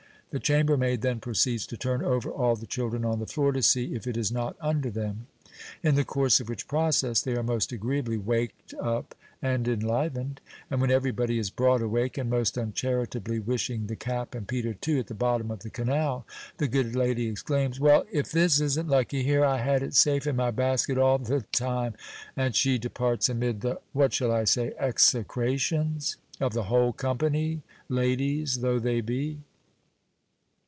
The chambermaid then proceeds to turn over all the children on the floor, to see if it is not under them. In the course of which process they are most agreeably waked up and enlivened; and when every body is broad awake, and most uncharitably wishing the cap, and Peter too, at the bottom of the canal, the good lady exclaims, "Well, if this isn't lucky; here I had it safe in my basket all the time!" And she departs amid the what shall I say? execrations? of the whole company, ladies though they be.